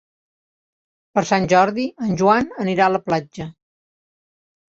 Per Sant Jordi en Joan anirà a la platja.